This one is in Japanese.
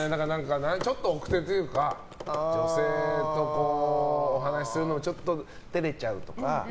ちょっと奥手というか女性とお話しするのちょっと照れちゃうとか。